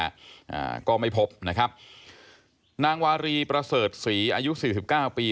อ่าก็ไม่พบนะครับนางวารีประเสริฐศรีอายุสี่สิบเก้าปี